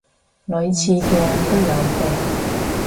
類似嘅都有嘅